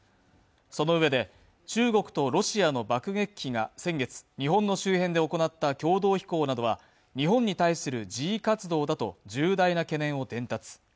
そのうえで中国とロシアの爆撃機が先月、日本の周辺で行った共同飛行などは、日本に対する示威活動だと重大な懸念を伝達。